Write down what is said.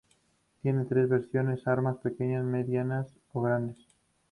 Tiene tres versiones, armas pequeñas, medias o grandes.